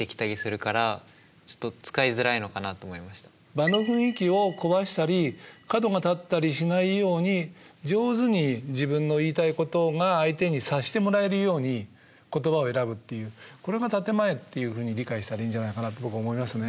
場の雰囲気を壊したり角が立ったりしないように上手に自分の言いたいことが相手に察してもらえるように言葉を選ぶっていうこれが建て前っていうふうに理解したらいいんじゃないかなって僕は思いますね。